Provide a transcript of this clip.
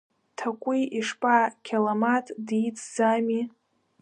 Ҭакәи ишԥа, Қьаламаҭ дицӡами?